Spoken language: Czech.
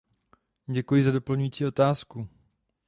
Děkuji za doplňující otázku.